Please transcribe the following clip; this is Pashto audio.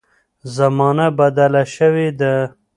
زمانه بدله شوې ده.